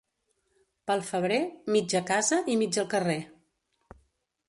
Pel febrer, mig a casa i mig al carrer.